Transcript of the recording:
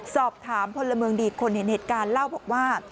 สอบถามพลเมืองดีคนเห็นเหตุการณ์เล่าบอกว่า